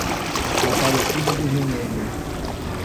Aparecida do Rio Negro